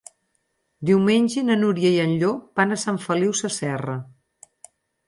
Diumenge na Núria i en Llop van a Sant Feliu Sasserra.